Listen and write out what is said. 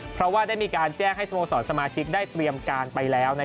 เพราะฉะนั้นก็ยืนยันนะครับว่า